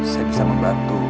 saya bisa membantu